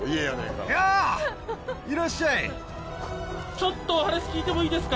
ちょっとお話聞いてもいいですか？